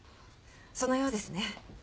そのようですね。